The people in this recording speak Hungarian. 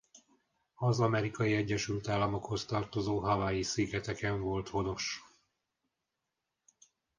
Az Amerikai Egyesült Államokhoz tartozó Hawaii-szigeteken volt honos.